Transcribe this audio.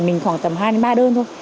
mình khoảng tầm hai ba đơn thôi